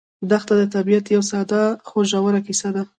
دښته د طبیعت یوه ساده خو ژوره کیسه ده.